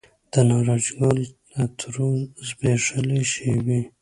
د نارنج ګل عطرو زبیښلې شیبې